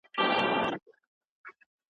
خزان دې هر وخت په سپرلي رژوینه